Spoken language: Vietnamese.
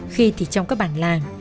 khi thì trong các bản làng